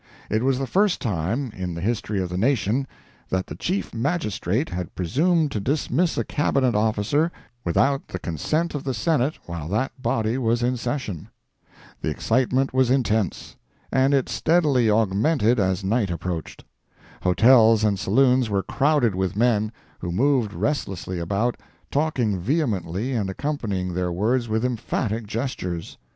It was the first time, in the history of the nation, that the Chief Magistrate had presumed to dismiss a Cabinet officer without the consent of the Senate while that body was in season. The excitement was intense, and it steadily augmented as night approached. Hotels and saloons were crowded with men, who moved restlessly about, talking vehemently and accompanying their words with emphatic gestures.